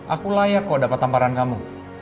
aku layak kok dapat tamparan kamu